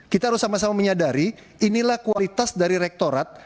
kita harus sama sama menyadari inilah kualitas dari rektorat